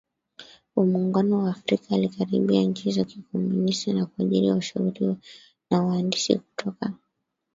wa Muungano wa Afrika Alikaribia nchi za kikomunisti na kuajiri washauri na wahandisi kutoka